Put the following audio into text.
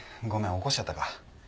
起こしちゃったか？